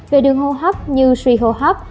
về đường hô hấp như suy hô hấp